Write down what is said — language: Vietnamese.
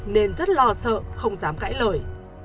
nên rất lo sợ không dám cãi lời